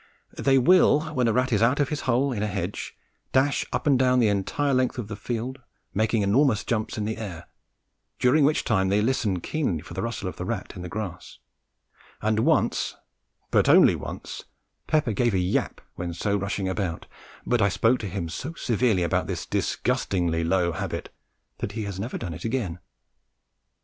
They will, when a rat is out of his hole, in a hedge, dash up and down the entire length of the field, making enormous jumps in the air, during which time they listen keenly for the rustle of the rat in the grass; and once, but only once, Pepper gave a yap when so rushing about, but I spoke to him so severely about this disgustingly low habit that he has never done it again.